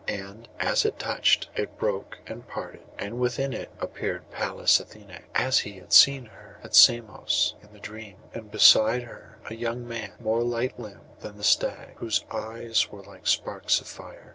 And as it touched, it broke, and parted, and within it appeared Pallas Athené, as he had seen her at Samos in his dream, and beside her a young man more light limbed than the stag, whose eyes were like sparks of fire.